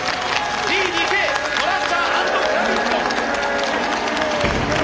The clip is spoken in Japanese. Ｔ・ＤＫトランチャーアンドグラビット。